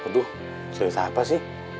aduh cerita apa sih